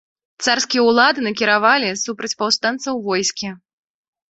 Царскія ўлады накіравалі супраць паўстанцаў войскі.